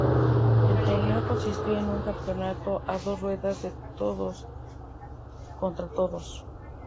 El torneo consistió en un campeonato a dos ruedas de todos contra todos.